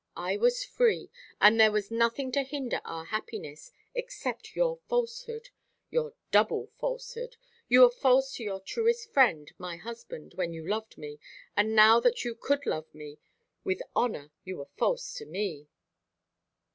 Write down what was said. I was free, and there was nothing to hinder our happiness, except your falsehood your double falsehood. You were false to your truest friend, my husband, when you loved me; and now that you could love me with honour you are false to me."